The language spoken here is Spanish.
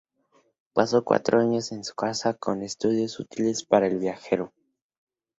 Pasó cuatro años en su casa con estudios útiles para el viajero.